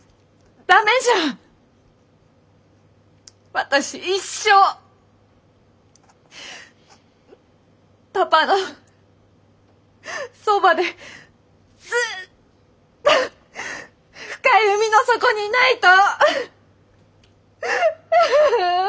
私一生パパのそばでずっと深い海の底にいないと。